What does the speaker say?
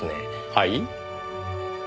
はい？